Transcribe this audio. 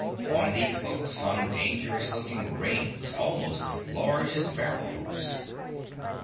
On these hooks hung dangerous looking rings almost as large as barrel hoops.